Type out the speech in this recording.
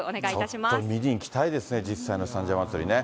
ちょっと見に行きたいですね、実際の三社祭ね。